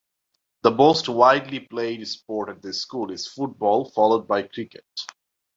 The most widely played sport at the School is football, followed by cricket.